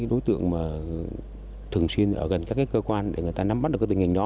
đối tượng mà thường xuyên ở gần các cái cơ quan để người ta nắm bắt được cái tình hình đó